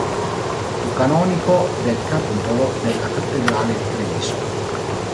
Fu canonico del capitolo della cattedrale di Treviso.